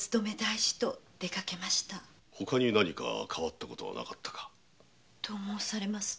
ほかに何か変わったことはなかったか？と申されますと？